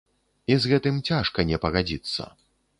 І з гэтым цяжка не пагадзіцца.